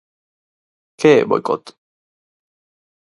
Que é boicot?